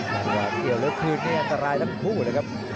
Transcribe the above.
มาร์เทศเขียวแล้วคืนเนี่ยอันตรายละคู่เลยครับ